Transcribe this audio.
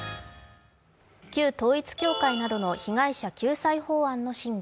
旧統一教会などの被害者救済法案の審議。